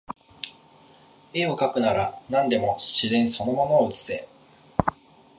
画をかくなら何でも自然その物を写せ